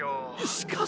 しかし！